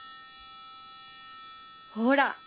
ほら。